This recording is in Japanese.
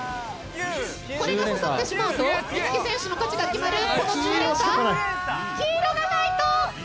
これが刺さってしまうといつき選手の勝ちが決まるこの１０連鎖黄色がないと・